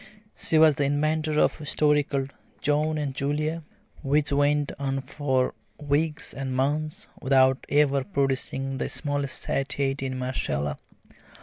She was the inventor of a story called "John and Julia," which went on for weeks and months without ever producing the smallest satiety in Marcella.